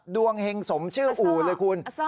ดวงแห่งสมชื่ออู่เลยคุณ